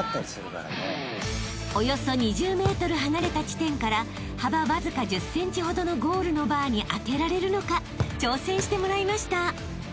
［およそ２０ｍ離れた地点から幅わずか１０ｃｍほどのゴールのバーに当てられるのか挑戦してもらいました］